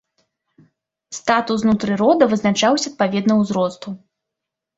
Статус знутры рода вызначаўся адпаведна ўзросту.